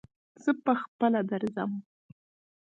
زه په خپله درځم